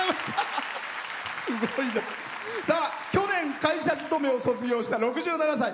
去年会社勤めを卒業した６７歳。